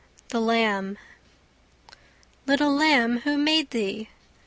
THE LAMB Little lamb, who made thee?